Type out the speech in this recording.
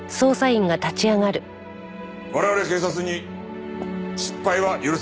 我々警察に失敗は許されない。